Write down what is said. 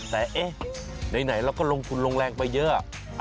แต่เอ๊ะไหนเราก็ลงทุนลงแรงไปเยอะ